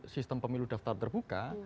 sistem pemilu daftar terbuka